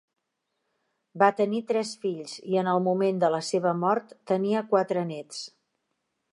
Va tenir tres fills, i en el moment de la seva mort, tenia quatre néts.